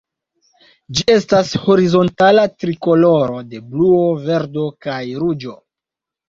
Ĝi estas horizontala trikoloro de bluo, verdo kaj ruĝo.